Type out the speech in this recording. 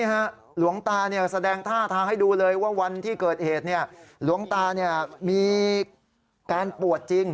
หลวงตาบอกแบบนี้มันเป็นโรคประจำตัว